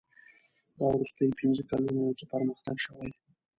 دا وروستي پنځه کلونه یو څه پرمختګ شوی.